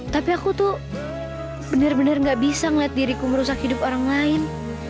tapi aku tuh bener bener gak bisa ngeliat diriku merusak hidup orang lain